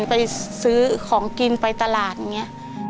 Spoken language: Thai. ไปซื้อของกินไปตลาดอย่างนี้